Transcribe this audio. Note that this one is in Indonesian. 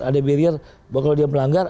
ada barrier kalau dia melanggar